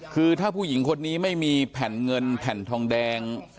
คือถ้าผู้หญิงคนนี้ไม่มีแผ่นเงินแผ่นทองแดง